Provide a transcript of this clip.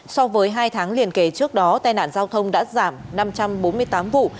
so với hai tháng liền kề trước đó tai nạn giao thông đã giảm năm trăm bốn mươi tám vụ